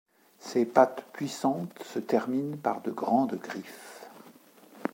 Ses pattes puissantes se terminent par de grandes griffes.